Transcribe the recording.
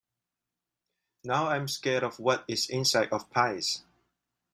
Now, I’m scared of what is inside of pies.